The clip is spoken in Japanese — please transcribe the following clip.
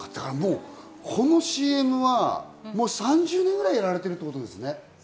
このＣＭはもう３０年ぐらいやられてるってことですね。